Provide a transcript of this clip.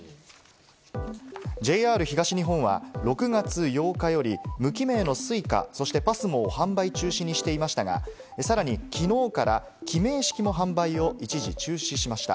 ＪＲ東日本は６月８日より無記名のＳｕｉｃａ、そしてＰＡＳＭＯを販売中止にしていましたが、さらに昨日から記名式も販売を一時中止しました。